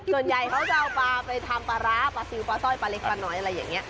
ส่วนใหญ่เขาจะเอาปลาไปทำปลาร้าปลาซิลปลาสร้อยปลาเล็กปลาน้อยอะไรอย่างนี้